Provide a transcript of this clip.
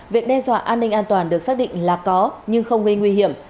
việc đe dọa an ninh an toàn được xác định là có nhưng không gây nguy hiểm